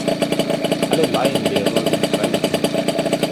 Alle Laienlehrer sind Freiwillige.